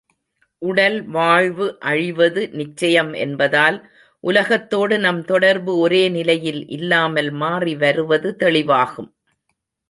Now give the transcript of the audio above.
உடல் வாழ்வு அழிவது நிச்சயம் என்பதால், உலகத்தோடு நம் தொடர்பு ஒரே நிலையில் இல்லாமல் மாறிவருவது தெளிவாகும்.